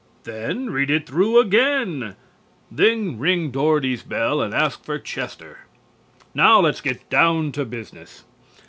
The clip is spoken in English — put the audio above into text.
Then read it through again. Then ring Dougherty's bell and ask for "Chester." Now let's get down to business.